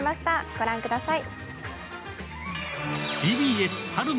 ご覧ください。